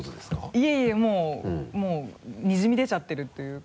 いえいえもうにじみ出ちゃってるというか。